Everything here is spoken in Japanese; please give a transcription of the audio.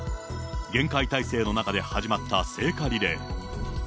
厳戒態勢の中で始まった聖火リレー。